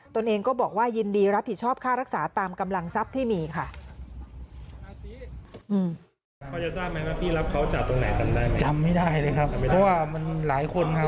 ตัวเองก็บอกว่ายินดีรับผิดชอบค่ารักษาตามกำลังทรัพย์ที่มีค่ะ